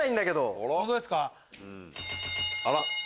あら？